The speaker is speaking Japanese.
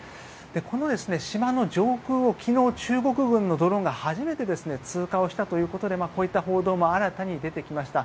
この島の上空を昨日、中国軍のドローンが初めて通過をしたということでこういった報道も新たに出てきました。